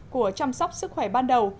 của chăm sóc sức khỏe ban đầu